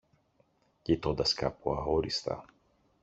κοιτώντας κάπου αόριστα